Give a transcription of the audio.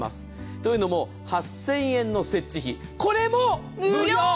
というのも８０００円の設置費、これも無料！